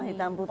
oh hitam putih